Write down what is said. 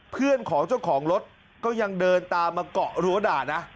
เพื่อนของเจ้าของรถก็ยังเดินตามมาเกาะรั้วด่านะ